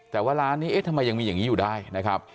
แต่ว่าร้านนี้เอ๊ะทำไมยังมีอย่างนี้อยู่ได้นะครับ